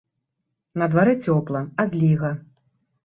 На дварэ цёпла, адліга.